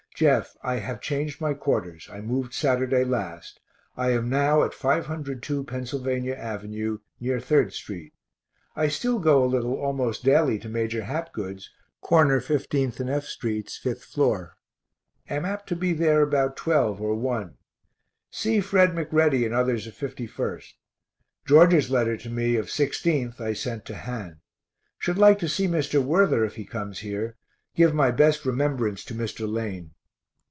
Jeff, I have changed my quarters. I moved Saturday last. I am now at 502 Pennsylvania av., near 3rd st. I still go a little almost daily to Major Hapgood's, cor. 15th and F sts., 5th floor. Am apt to be there about 12 or 1. See Fred McReady and others of 51st. George's letter to me of 16th I sent to Han. Should like to see Mr. Worther if he comes here give my best remembrance to Mr. Lane.